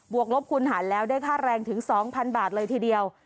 วกลบคูณหารแล้วได้ค่าแรงถึง๒๐๐๐บาทเลยทีเดียว